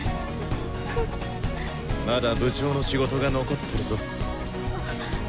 まだ部長の仕事が残ってるぞ。